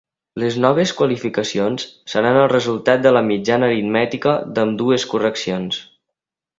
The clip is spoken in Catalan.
Les noves qualificacions seran el resultat de la mitjana aritmètica d'ambdues correccions.